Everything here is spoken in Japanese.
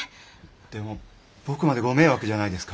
でも僕までご迷惑じゃないですか？